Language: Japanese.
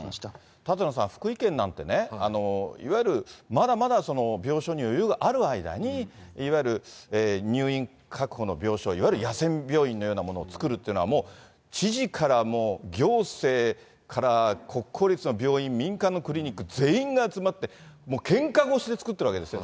舘野さん、福井県なんてね、いわゆるまだまだ病床には余裕がある間に、いわゆる入院確保の病床、いわゆる野戦病院のようなものを作るっていうのは、もう知事からもう、行政から、国公立の病院、民間のクリニック、全員が集まって、けんか腰で作ってるわけですよ。